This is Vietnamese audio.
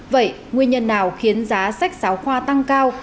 vậy nguyên nhân nào khiến giá sách giáo khoa tăng cao